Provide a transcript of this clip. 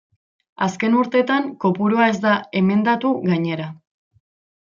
Azken urtetan kopurua ez da emendatu gainera.